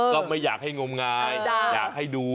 ก็ไม่อยากให้งมงายอยากให้ดู